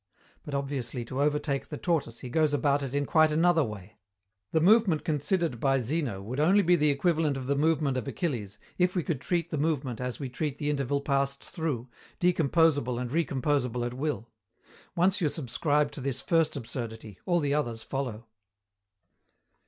But obviously, to overtake the tortoise, he goes about it in quite another way. The movement considered by Zeno would only be the equivalent of the movement of Achilles if we could treat the movement as we treat the interval passed through, decomposable and recomposable at will. Once you subscribe to this first absurdity, all the others follow.